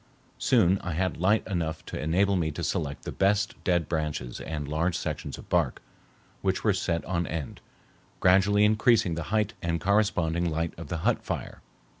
Soon I had light enough to enable me to select the best dead branches and large sections of bark, which were set on end, gradually increasing the height and corresponding light of the hut fire.